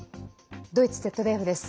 ドイツＺＤＦです。